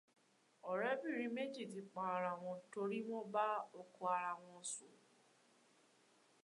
Ọ̀rẹ́bìnrin méjì ti para wọn torí wọ́n ba ọkọ ara wọn sùn.